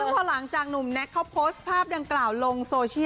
พอหลังจากหนุ่มแน็กเขาโพสต์ภาพดังกล่าวลงโซเชียล